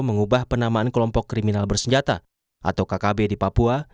mengubah penamaan kelompok kriminal bersenjata atau kkb di papua